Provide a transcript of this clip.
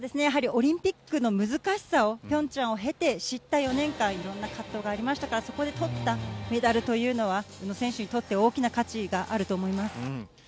やはりオリンピックの難しさを、ピョンチャンを経て知った４年間、いろんな葛藤がありましたから、そこでとったメダルというのは、宇野選手にとって大きな価値があると思います。